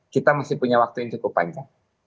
kita masih punya waktu yang cukup panjang